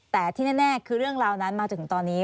แต่ที่แน่คือเรื่องราวนั้นมาจนถึงตอนนี้